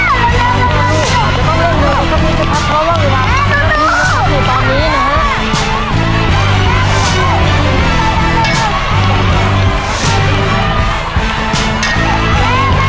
เหลืออีกสามชุดเท่านั้นนะครับเดี๋ยวเริ่มเริ่มเริ่มเข้าไปครับ